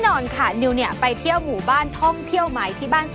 มันไปลงพื้นที่เห็นจริง